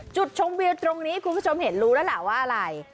จุดชมวิวตรงนี้คุณผู้ชมเห็นรู้แล้วล่ะว่าอะไร